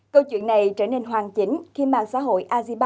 câu chuyện này trở nên hoàn chỉnh khi màn xã hội aziba